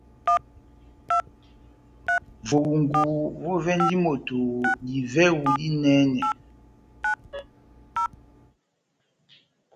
Vohungu vovɛndi moto divɛhu dinɛnɛ.